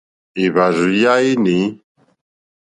Èhvàrzù ya inèi.